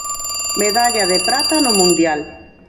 Medalla de prata no Mundial.